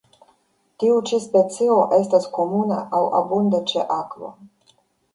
Tiu ĉi specio estas komuna aŭ abunda ĉe akvo.